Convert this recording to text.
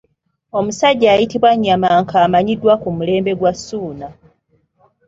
Omusajja ayitibwa Nnyamanka amanyiddwa ku mulembe gwa Ssuuna.